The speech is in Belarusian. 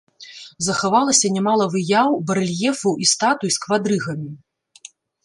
Захавалася нямала выяў, барэльефаў і статуй з квадрыгамі.